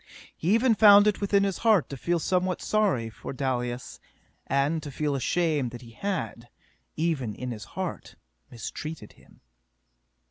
He even found it within his heart to feel somewhat sorry for Dalis, and to feel ashamed that he had, even in his heart, mistreated him.